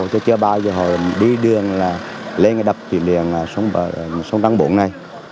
chứ chưa bao giờ họ đi đường lên đập tuyển đường sông đăng bộn này